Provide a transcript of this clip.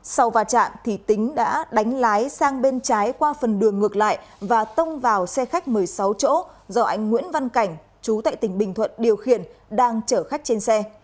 sau va chạm thì tính đã đánh lái sang bên trái qua phần đường ngược lại và tông vào xe khách một mươi sáu chỗ do anh nguyễn văn cảnh chú tại tỉnh bình thuận điều khiển đang chở khách trên xe